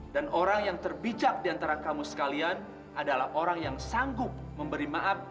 dan orang yang terbijak diantara kamu sekalian adalah orang yang sanggup memberi maaf